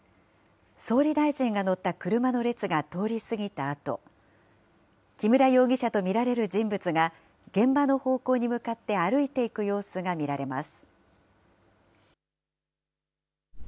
総理大臣が乗った車の列が通り過ぎたあと、木村容疑者と見られる人物が、現場の方向に向かって歩いていく様子が見られます。